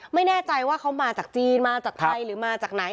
ไม่แน่ใจว่าเขามาจากจีนมาจากไทยหรือมาจากไหน